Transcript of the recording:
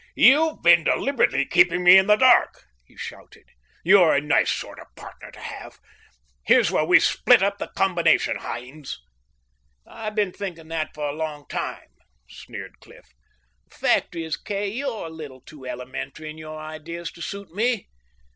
"You've been deliberately keeping me in the dark!" he shouted. "You're a nice sort of partner to have! Here's where we split up the combination, Hynes!" "I've been thinking that for a long time," sneered Cliff. "The fact is, Kay, you're a little too elementary in your ideas to suit me.